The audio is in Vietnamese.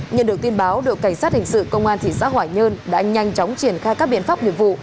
nhận được tin báo đội cảnh sát hình sự công an thị xã hỏa nhơn đã nhanh chóng triển khai các biện pháp nghiệp vụ